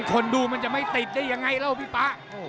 คนดูมันจะไม่ติดได้ยังไงแล้วพี่ป๊า